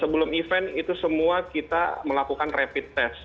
sebelum event itu semua kita melakukan rapid test